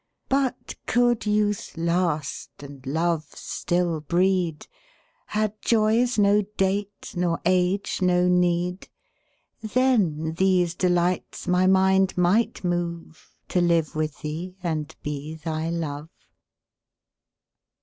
But could youth last, and love still breed, Had joys no date, nor age no need, Then these delights my mind might moveTo live with thee and be thy Love.